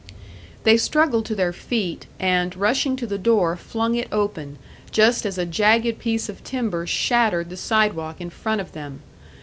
They struggled to their feet, and rushing to the door, flung it open, just as a jagged piece of timber shattered the side walk in front of them.